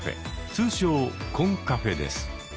通称コンカフェです。